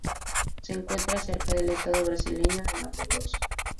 Se encuentra cerca del estado brasileño de Mato Grosso.